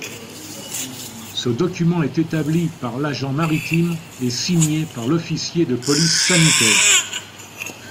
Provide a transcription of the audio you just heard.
Ce document est établi par l'agent maritime et signé par l'officier de police sanitaire.